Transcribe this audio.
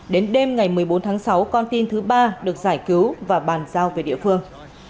đến đêm ngày một mươi bốn tháng sáu con tin thứ ba được giải cứu và bàn giao về địa phương